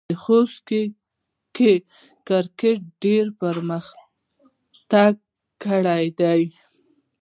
خوست کې کرکټ ډېر پرمختګ کړی دی.